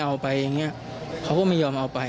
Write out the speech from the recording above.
ลูกนั่นแหละที่เป็นคนผิดที่ทำแบบนี้